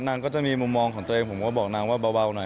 นางก็จะมีมุมมองของตัวเองผมก็บอกนางว่าเบาหน่อย